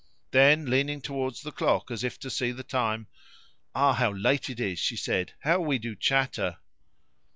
Then, leaning towards the clock as if to see the time "Ah! how late it is!" she said; "how we do chatter!"